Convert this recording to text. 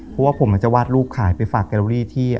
เพราะว่าผมจะวาดรูปขายไปฝากแกโลลี่ที่